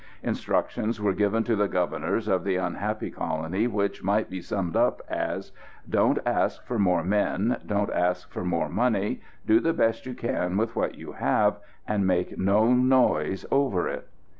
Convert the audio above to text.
Instructions were given to the Governors of the unhappy colony which might be summed up as, "Don't ask for more men; don't ask for more money. Do the best you can with what you have, and make no noise over it."